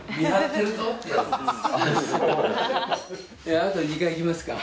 あと２階行きますか。